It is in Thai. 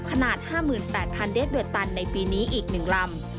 ขนาด๕๘๐๐เดสเบลตันในปีนี้อีก๑ลำ